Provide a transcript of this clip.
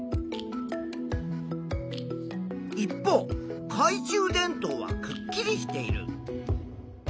一方かい中電灯はくっきりしている。